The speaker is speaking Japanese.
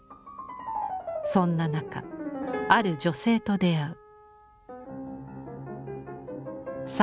そんな中ある女性と出会う。